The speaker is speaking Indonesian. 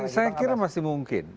saya kira masih mungkin